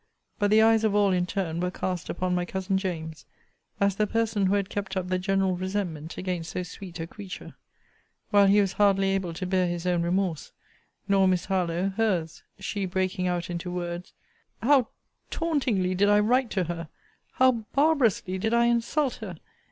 But the eyes of all, in turn, were cast upon my cousin James, as the person who had kept up the general resentment against so sweet a creature. While he was hardly able to bear his own remorse: nor Miss Harlowe her's; she breaking out into words, How tauntingly did I write to her! How barbarously did I insult her!